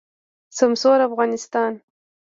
سمسور افغانستان